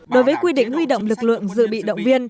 đối với quy định huy động lực lượng dự bị động viên